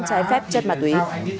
trái phép chất ma túy